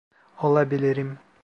Olabilirim.